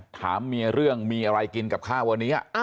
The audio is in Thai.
ถามเมียเรื่องมีอะไรกินกับข้าววันนี้